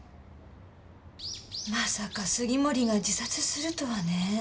まさか杉森が自殺するとはね。